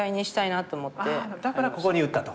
ああだからここに打ったと。